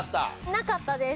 なかったです。